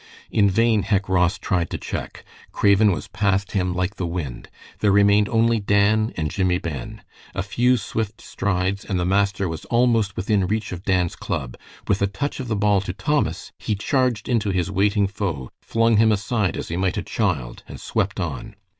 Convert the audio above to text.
In vain Hec Ross tried to check, Craven was past him like the wind. There remained only Dan and Jimmie Ben. A few swift strides, and the master was almost within reach of Dan's club. With a touch of the ball to Thomas he charged into his waiting foe, flung him aside as he might a child, and swept on.